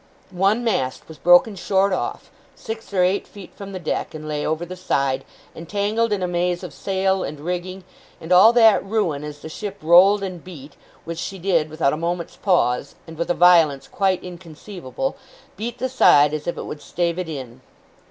One mast was broken short off, six or eight feet from the deck, and lay over the side, entangled in a maze of sail and rigging; and all that ruin, as the ship rolled and beat which she did without a moment's pause, and with a violence quite inconceivable beat the side as if it would stave it in.